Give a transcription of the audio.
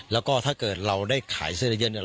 แล้วก็ถ้าเกิดเราได้ขายเสื้อเยอะเนี่ย